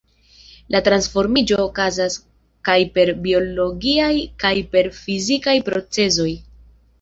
La transformiĝo okazas kaj per biologiaj kaj per fizikaj procezoj.